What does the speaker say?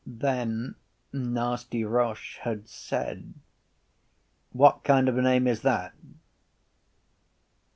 Then Nasty Roche had said: —What kind of a name is that?